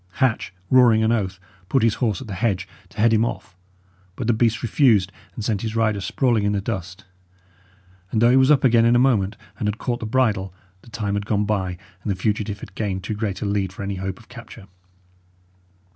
Hatch, roaring an oath, put his horse at the hedge, to head him off; but the beast refused, and sent his rider sprawling in the dust. And though he was up again in a moment, and had caught the bridle, the time had gone by, and the fugitive had gained too great a lead for any hope of capture.